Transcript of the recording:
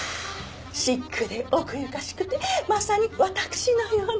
シックで奥ゆかしくてまさに私のような。